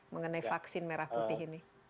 mengenai vaksin merah putih ini